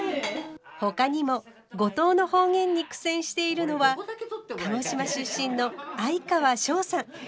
ほかにも五島の方言に苦戦しているのは鹿児島出身の哀川翔さん。